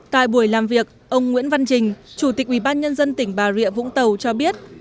tại buổi làm việc ông nguyễn văn trình chủ tịch ủy ban nhân dân tỉnh bà rịa vũng tàu cho biết